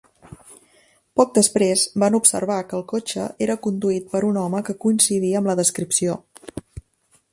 Poc després, van observar que el cotxe era conduït per un home que coincidia amb la descripció.